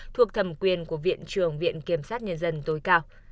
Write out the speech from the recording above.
thuộc thầm quyền của viện trường viện kiểm sát nhân dân tối cao